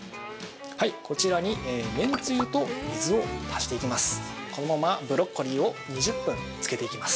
こちらに、麺つゆと水を足していきます。